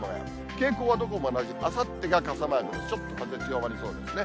傾向はどこも同じ、あさってが傘マーク、ちょっと風強まりそうですね。